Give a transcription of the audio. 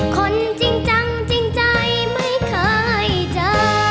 คนจริงจังจริงใจไม่เคยเจอ